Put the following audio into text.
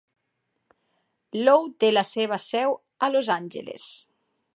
Low té la seva seu a Los Angeles.